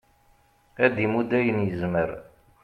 ad d-imudd ayen yezmer